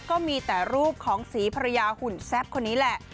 ก็มีแต่รูปของศรีภรรยาหุ่นแซ่บคนนี้แหละ